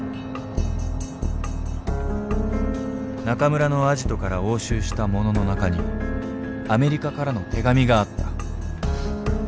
中村のアジトから押収したものの中にアメリカからの手紙があった。